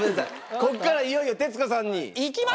ここからいよいよ徹子さんに。